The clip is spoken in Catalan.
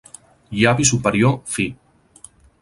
Llavi superior fi.